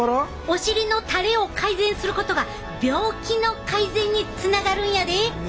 お尻のたれを改善することが病気の改善につながるんやで。